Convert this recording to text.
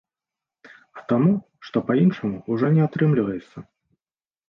А таму, што па-іншаму ўжо не атрымліваецца.